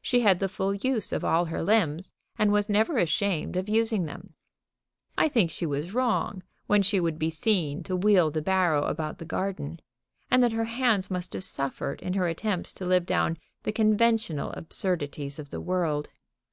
She had the full use of all her limbs, and was never ashamed of using them. I think she was wrong when she would be seen to wheel the barrow about the garden, and that her hands must have suffered in her attempts to live down the conventional absurdities of the world.